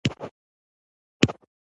افغانستان د بزګانو د کلتور ښه کوربه دی.